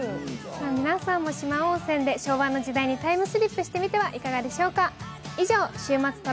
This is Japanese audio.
皆さんも四万温泉で昭和の時代にタイムスリップしてみてはいかがでしょうか。